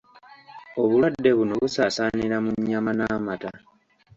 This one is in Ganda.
Obulwadde buno busaasaanira mu nnyama n'amata